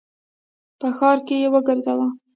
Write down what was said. په ښار کي یې وګرځوه !